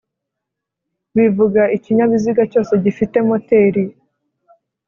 bivuga ikinyabiziga cyose gifite moteri